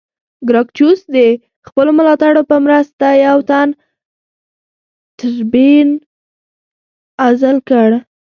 ګراکچوس د خپلو ملاتړو په مرسته یو تن ټربیون عزل کړ